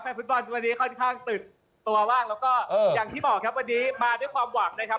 แฟนฟุตบอลค่อนข้างตึกตัวว่างแล้วก็อย่างที่บอกครับวันนี้มาด้วยความหวังนะครับ